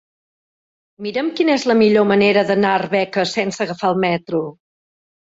Mira'm quina és la millor manera d'anar a Arbeca sense agafar el metro.